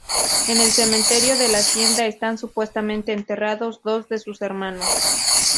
En el cementerio de la hacienda están supuestamente enterrados dos de sus hermanos.